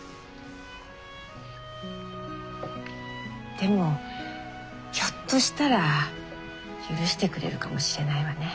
でもひょっとしたら許してくれるかもしれないわね。